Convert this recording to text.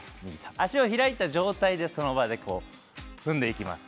足を開いた状態で、その場で踏んでいきます。